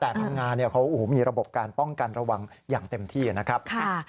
แต่พังงาเขามีระบบการป้องกันระวังอย่างเต็มที่นะครับ